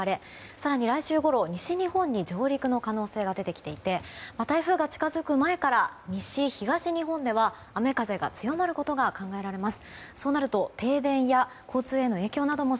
更に、来週ごろ西日本に上陸の可能性が出てきていて台風が近づく前から西、東日本では雨風が強まることが考えられます。